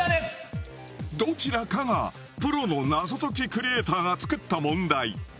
どちらかがプロの謎解きクリエイターが作った問題